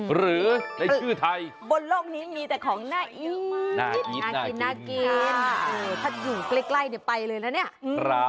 หรือในชื่อไทยบนโลกนี้มีแต่ของนาอีทน่ากินถ้าอยู่ใกล้ไปเลยแล้วเนี่ย